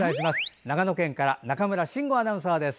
長野県から中村慎吾アナウンサーです。